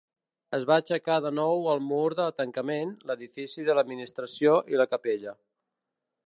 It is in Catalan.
Es va aixecar de nou el mur de tancament, l'edifici de l'administració i la capella.